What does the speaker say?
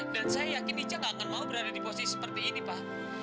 dan saya yakin ica gak akan mau berada di posisi seperti ini pak